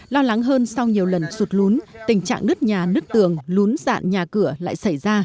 lo lắng hơn sau nhiều lần sụt lún tình trạng nứt nhà nứt tường lún dạn nhà cửa lại xảy ra